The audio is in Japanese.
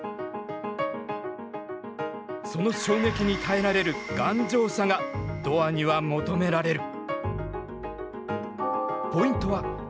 その衝撃に耐えられる頑丈さがドアには求められる。